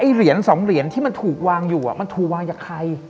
เหรียญสองเหรียญที่มันถูกวางอยู่มันถูกวางจากใคร